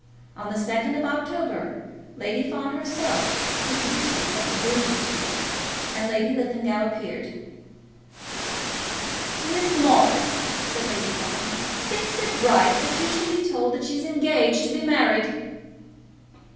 On the 2nd of October Lady Fawn herself took Lucy up to Bruton Street, and Lady Linlithgow appeared. "Miss Morris," said Lady Fawn, "thinks it right that you should be told that she's engaged to be married."